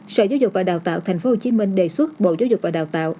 sở giáo dục và đào tạo tp hcm đề xuất bộ giáo dục và đào tạo